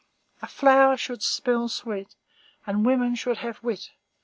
A flower should smell sweet, and woman should have wit.